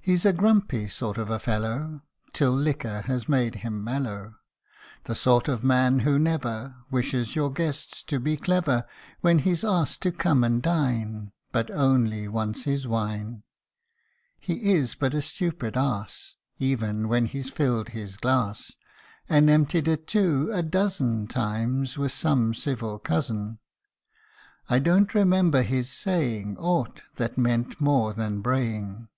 He's a grumpy sort of a fellow, Till liquor has made him mellow ; The sort of man who never Wishes your guests to be clever, When he's asked to come and dine, But only wants his wine. He is but a stupid ass, Even when he's filled his glass, And emptied it too, a dozen Times, with some civil cousin. I don't remember his saying Aught, that meant more than braying.